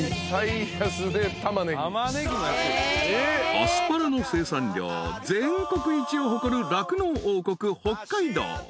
［アスパラの生産量全国一を誇る酪農王国北海道］